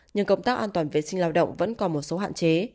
nhưng công tác an toàn vệ sinh lao động vẫn còn một số hạn chế